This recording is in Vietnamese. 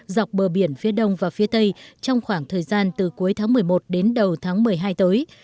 dọc bờ biển phía đông và phía tây trong khoảng thời gian từ cuối tháng một mươi một đến đầu tháng một mươi hai tới